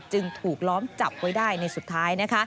จึงถูกล้อมจับไว้ได้ในสุดท้าย